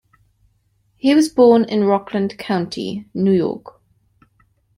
He was born in Rockland County, New York.